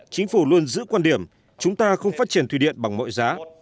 chính phủ luôn giữ quan điểm chúng ta không phát triển thủy điện bằng mọi giá